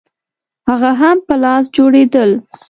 هغه هم په لاس جوړېدل